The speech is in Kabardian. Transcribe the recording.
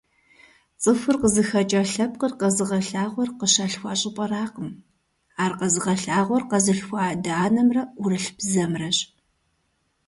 ЦӀыхур къызыхэкӀа лъэпкъыр къэзыгъэлъагъуэр къыщалъхуа щӀыпӀэракъым, ар къэзыгъэлъагъуэр къэзылъхуа адэ-анэмрэ ӏурылъ бзэмрэщ.